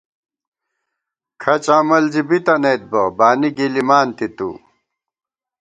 کھڅ عمل زی بِتَنَئیت بہ، بانی گِلِمانتی تُو